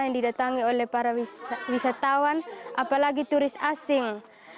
yang didatangi oleh para wisatawan apalagi turis asing